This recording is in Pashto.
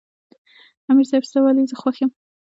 " امیر صېب ستا ولې زۀ خوښ یم" ـ